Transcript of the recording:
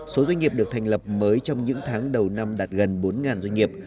số doanh nghiệp được thành lập mới trong những tháng đầu năm đạt gần bốn doanh nghiệp